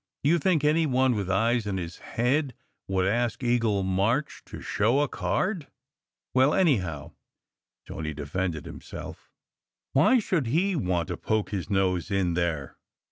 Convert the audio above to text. Do you think any one with eyes in his head would ask Eagle March to show a card ?" "Well, anyhow," Tony defended himself, "why should he want to poke his nose in there?